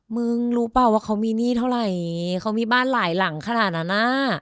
มึงรู้เปล่าว่าเขามีหนี้เท่าไหร่เขามีบ้านหลายหลังขนาดนั้นน่ะ